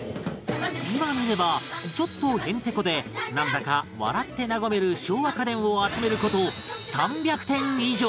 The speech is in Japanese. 今見ればちょっとヘンテコでなんだか笑って和める笑和家電を集める事３００点以上！